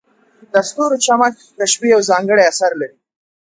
د ستورو چمک د شپې یو ځانګړی اثر لري.